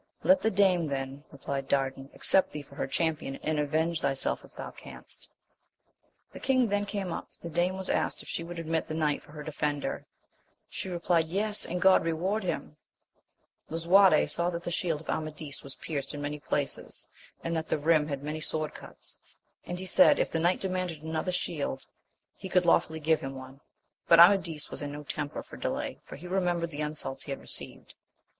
Let the dame then, replied Dardan, accept thee for her champion, and avenge thyself if thou canst. The king then came up ; the dame was asked if she would admit that knight for her defender. She replied, Yes, and God reward him ! Lisuarte saw that the shield of Amadis was pierced in many places, and that the rim had many sword cuts, and he said, if the knight demanded another shield, he could law fully give him one ; but Amadis was in no temper for delay, for he remembered the insults he had received.